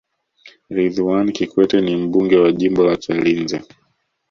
ridhwan kikwete ni mbunge wa jimbo la chalinze